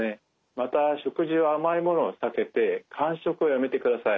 また食事は甘いものを避けて間食をやめてください。